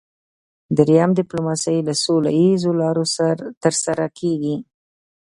دریم ډیپلوماسي له سوله اییزو لارو ترسره کیږي